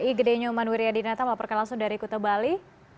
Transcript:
igedenyo manwiri adinata maafkan langsung dari kuta bali